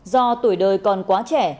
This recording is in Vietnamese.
do tuổi đời còn quá trẻ